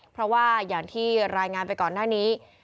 เพราะว่าอย่างที่รายงานไปก่อนหน้านี้